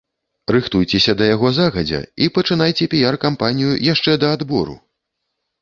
Рыхтуйцеся да яго загадзя і пачынайце піяр-кампанію яшчэ да адбору!